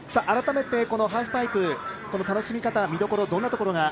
改めて、ハーフパイプの楽しみ方、見どころ